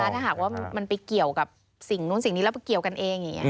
ถ้าหากว่ามันไปเกี่ยวกับสิ่งนู้นสิ่งนี้แล้วไปเกี่ยวกันเองอย่างนี้